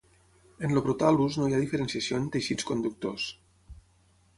En el protal·lus no hi ha diferenciació en teixits conductors.